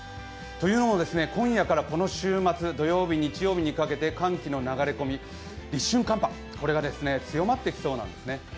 というのも、今夜からこの週末、土曜日、日曜日にかけて寒気の流れ込み、立春寒波が強まってきそうなんですね。